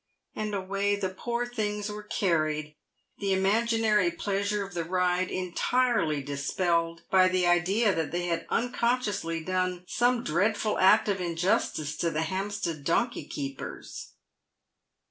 And away the poor things were carried, the imaginary pleasure of the ride entirely dispelled by the idea that they had unconsciously done some dreadful act of injustice to the Hampstead donkey keepers.